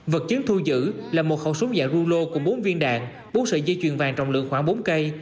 vật chứng thu giữ là một khẩu súng dạng run lô cùng bốn viên đạn bốn sợi dây chuyền vàng trọng lượng khoảng bốn cây